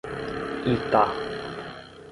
Itá